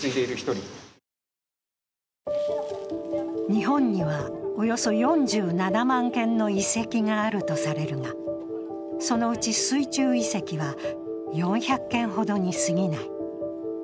日本にはおよそ４７万件の遺跡があるとされるがそのうち水中遺跡は４００件ほどにすぎない。